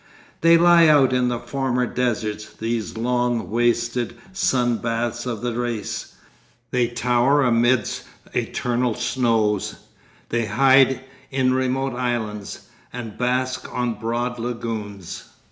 They lie out in the former deserts, these long wasted sun baths of the race, they tower amidst eternal snows, they hide in remote islands, and bask on broad lagoons.